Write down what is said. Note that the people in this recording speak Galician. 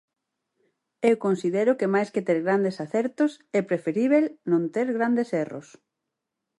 Eu considero que máis que ter grandes acertos, é preferíbel non ter grandes erros.